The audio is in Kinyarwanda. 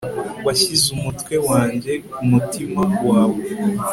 washyize umutwe wanjye ku mutima wawe